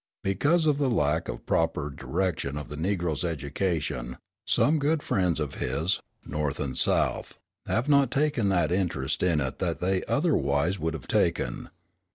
Because of the lack of proper direction of the Negro's education, some good friends of his, North and South, have not taken that interest in it that they otherwise would have taken.